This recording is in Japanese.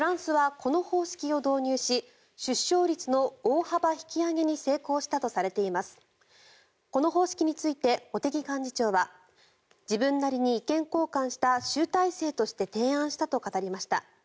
この方式について茂木幹事長は自分なりに意見交換した集大成として提案したと語りました。